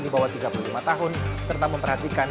di bawah tiga puluh lima tahun serta memperhatikan